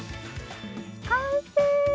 完成！